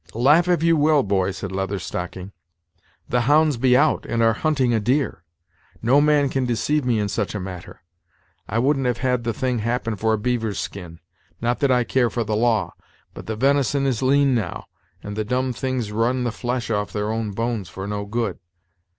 "Laugh if you will, boy," said Leather Stocking, "the hounds be out, and are hunting a deer, No man can deceive me in such a matter. I wouldn't have had the thing happen for a beaver's skin. Not that I care for the law; but the venison is lean now, and the dumb things run the flesh off their own bones for no good.